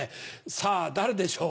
さぁ誰でしょう？